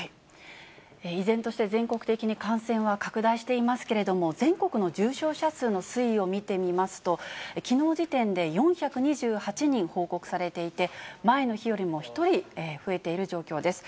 依然として全国的に感染は拡大していますけれども、全国の重症者数の推移を見てみますと、きのう時点で４２８人報告されていて、前の日よりも１人増えている状況です。